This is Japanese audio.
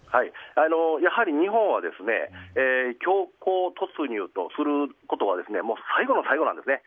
やはり日本は強行突入とすることは最後の最後なんですね。